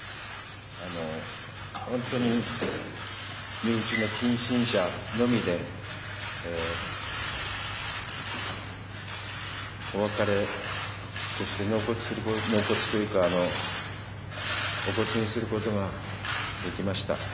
本当に身内や近親者のみでお別れ、そして納骨というかお骨にすることができました。